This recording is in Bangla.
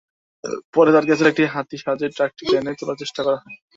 পরে সার্কাসের একটি হাতির সাহায্যে ট্রাকটি টেনে তোলার চেষ্টা করা হয়।